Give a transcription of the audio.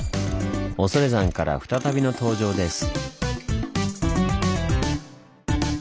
「恐山」から再びの登場です。